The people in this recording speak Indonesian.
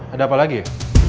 ada apa lagi ya